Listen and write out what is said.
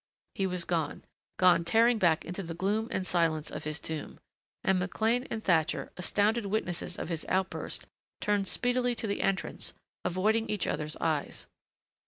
He was gone. Gone tearing back into the gloom and silence of his tomb. And McLean and Thatcher, astounded witnesses of his outburst, turned speedily to the entrance, avoiding each other's eyes.